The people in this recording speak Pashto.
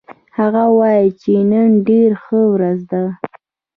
هغه وایي چې نن ډېره ښه ورځ ده